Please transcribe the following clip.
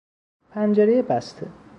پنجرهی بسته